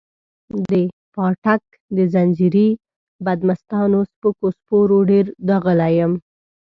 د پاټک د ځنځیري بدمستانو سپکو سپورو ډېر داغلی یم.